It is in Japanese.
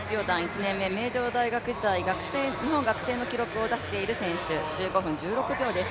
名城大学時代、日本学生の記録を出している選手、１５分１６秒です。